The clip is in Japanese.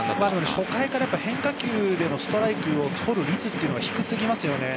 初回から変化球でのストライクを取る率が低すぎますよね。